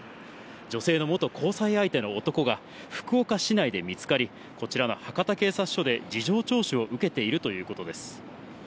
女性の元交際相手の男が、福岡市内で見つかり、こちらの博多警察署で、事情聴取を受けているということです。